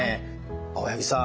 青柳さん